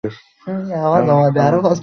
আপনার কাছে মাত্র এক ঘন্টা সময় আছে।